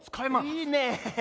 いいね。